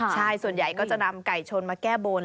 ใช่ส่วนใหญ่ก็จะนำไก่ชนมาแก้บน